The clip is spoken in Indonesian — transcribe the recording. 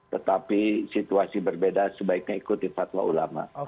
tetapi situasi berbeda sebaiknya ikuti fatwa ulama